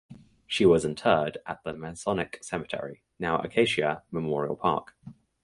She was interred at the Masonic Cemetery (now Acacia Memorial Park).